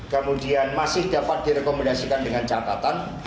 kemudian masih dapat direkomendasikan dengan catatan